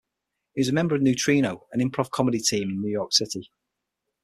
He was a member of Neutrino, an improv comedy team in New York City.